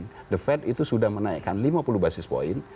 karena fed itu sudah menaikan lima puluh basis point